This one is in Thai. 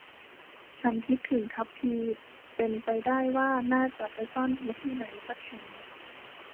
ฉันคิดถึงทัพพี่เป็นไปได้ว่าน่าจะไปซ่อนที่ไหนสักแห่ง